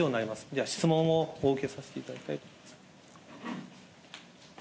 では、質問をお受けさせていただきたいと思います。